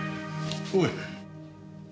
おい。